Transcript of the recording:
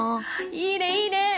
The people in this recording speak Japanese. いいねいいね。